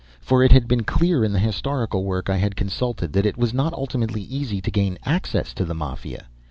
For it had been clear in the historical work I had consulted that it was not ultimately easy to gain access to the Mafia.